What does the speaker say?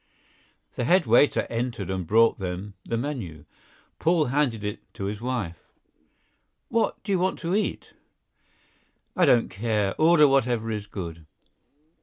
The head waiter entered and brought them the menu. Paul handed it to his wife. "What do you want to eat?" "I don't care; order whatever is good."